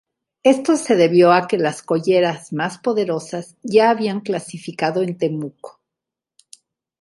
Esto se debió a que las colleras más poderosas ya habían clasificado en Temuco.